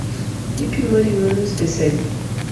Ipimo ring’o nus pesa adi?